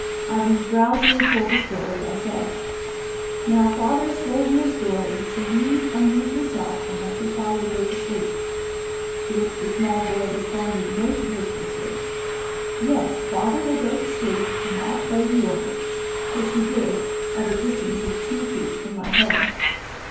Having drowsily told the story, I said, "Now, father's told you a story, so you amuse yourself and let father go to sleep"; to which the small boy responded most virtuously, "Yes, father will go to sleep and I'll play the organ," which he did, at a distance of two feet from my head.